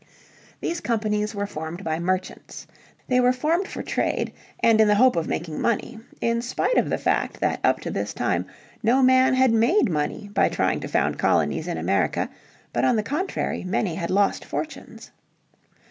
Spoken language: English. These companies were formed by merchants. They were formed for trade, and in the hope of making money, in spite of the fact that up to this time no man had made money by trying to found colonies. in America, but on the contrary many had lost fortunes.